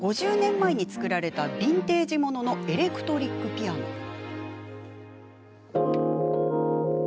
５０年前に作られたビンテージもののエレクトリックピアノ。